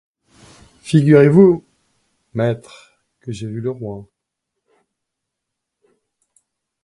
Figurez-vous, maître, que j'ai vu le roi.